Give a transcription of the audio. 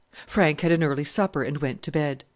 Frank had an early supper and went to bed.